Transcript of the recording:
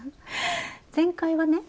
前回はね